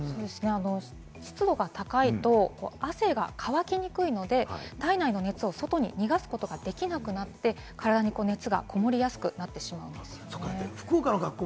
湿度が高いと汗が乾きにくいので、体内の熱を外に逃がすことができなくなって、体に熱がこもりやすくなってしまうんですよね。